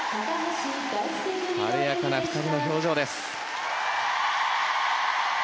晴れやかな２人の表情です。